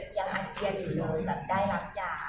คือกาะเย้นอยู่ตกได้รับยา